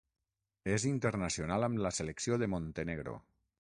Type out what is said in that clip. És internacional amb la Selecció de Montenegro.